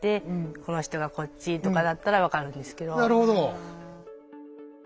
なるほど。